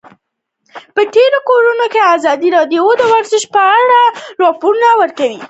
په تېرو کلونو کې ازادي راډیو د ورزش په اړه راپورونه خپاره کړي دي.